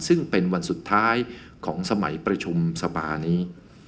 ซึ่งเป็นวันสุดท้ายของสมัยประชุมสภานี้